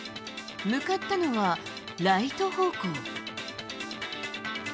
向かったのは、ライト方向。